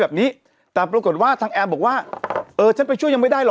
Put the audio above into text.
แบบนี้แต่ปรากฏว่าทางแอมบอกว่าเออฉันไปช่วยยังไม่ได้หรอ